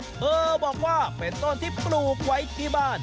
เธอบอกว่าเป็นต้นที่ปลูกไว้ที่บ้าน